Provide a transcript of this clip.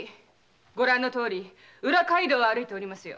ご覧のとおり裏街道を歩いておりますよ。